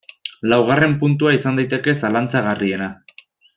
Laugarren puntua izan daiteke zalantzagarriena.